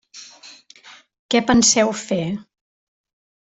Què penseu fer?